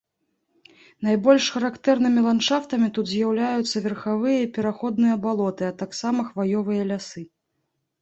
Найбольш характэрнымі ландшафтамі тут з'яўляюцца верхавыя і пераходныя балоты, а таксама хваёвыя лясы.